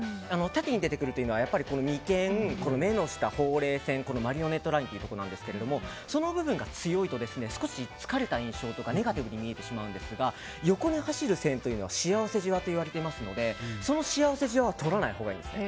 縦に出てくるというのは眉間、目の下ほうれい線、マリオネットラインというところですがその部分が強いと少し疲れた印象とかネガティブに見えてしまうんですが横に走る線は幸せじわといわれてますのでその幸せじわはとらないほうがいいんです。